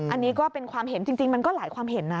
อันนี้ก็เป็นความเห็นจริงมันก็หลายความเห็นนะ